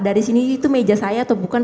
dari sini itu meja saya atau bukan